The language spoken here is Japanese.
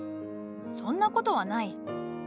そんな事はない。